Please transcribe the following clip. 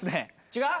違う？